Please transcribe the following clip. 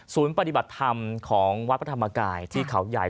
ปฏิบัติธรรมของวัดพระธรรมกายที่เขาใหญ่